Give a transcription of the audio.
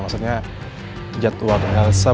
maksudnya jadwal elsa